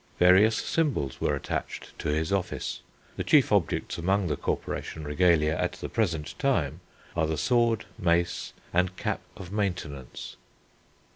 Various symbols were attached to his office. The chief objects among the corporation regalia at the present time are the sword, mace, and cap of maintenance.